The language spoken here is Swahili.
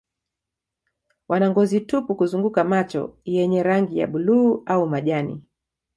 Wana ngozi tupu kuzunguka macho yenye rangi ya buluu au majani.